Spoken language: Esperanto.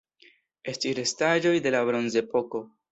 Estis restaĵoj de la Bronzepoko.